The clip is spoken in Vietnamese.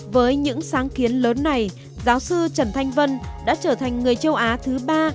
với những sáng kiến lớn này giáo sư trần thanh vân đã trở thành người châu á thứ ba